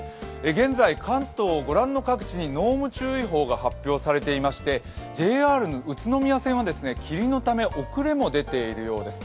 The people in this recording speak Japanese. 現在関東ご覧の各地に濃霧注意報が発表されていましてＪＲ宇都宮線は霧のため遅れも出ているようです。